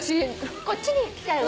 こっちに行きたいわ。